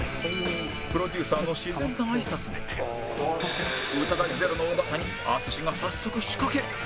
プロデューサーの自然な挨拶で疑いゼロの尾形に淳が早速仕掛ける！